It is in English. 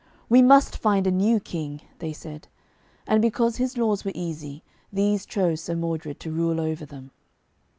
'We must find a new King,' they said. And because his laws were easy, these chose Sir Modred to rule over them.